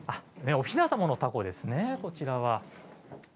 おひな様の凧ですね、こちらは。